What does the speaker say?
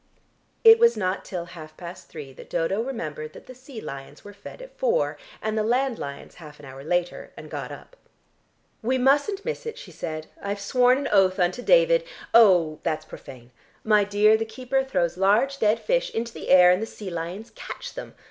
It was not till half past three that Dodo remembered that the sea lions were fed at four, and the land lions half an hour later, and got up. "We mustn't miss it," she said. "I've sworn an oath unto David oh, that's profane. My dear, the keeper throws large dead fish into the air and the sea lions catch them.